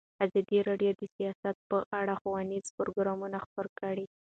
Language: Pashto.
ازادي راډیو د سیاست په اړه ښوونیز پروګرامونه خپاره کړي.